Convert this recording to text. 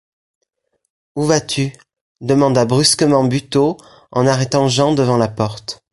Où vas-tu? demanda brusquement Buteau, en arrêtant Jean devant la porte.